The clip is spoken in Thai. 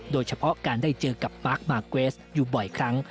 โดยเฉพาะการได้เจอกับปาร์คมาร์เกวสอยู่บ่อยครั้ง